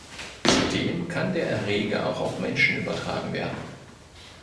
Zudem kann der Erreger auch auf Menschen übertragen werden.